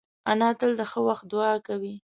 انا تل د ښه وخت دعا کوي